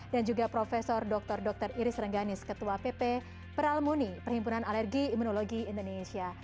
dan juga profesor doktor dr iris rengganis ketua pp peralmuni perhimpunan alergi imunologi indonesia